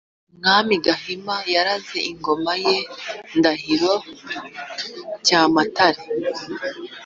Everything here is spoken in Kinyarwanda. umwami gahima yaraze ingoma ye ndahiro gyamatare